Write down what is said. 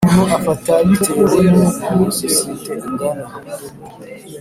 Umuntu afata bitewe n uko sosiyete ingana